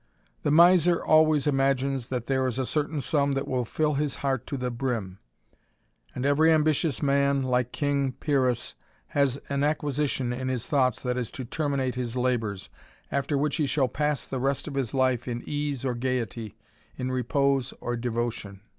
The miser always imagines that there is a certain sum that will fill his heart to the brim; and every ambitious man, like king Pyrrhus, has an acquisition in his thoughts that is to terminate his labours, after which he shall pass the rest of his life in ease or gaiety, in repose or devotion.